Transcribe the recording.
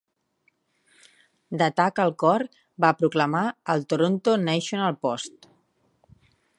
"D'atac al cor", va proclamar el "Toronto National Post".